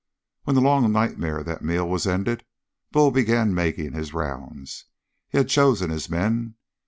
When the long nightmare of that meal was ended, Bull began making his rounds. He had chosen his men.